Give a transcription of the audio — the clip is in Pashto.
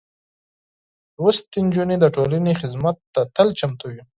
لوستې نجونې د ټولنې خدمت ته تل چمتو وي.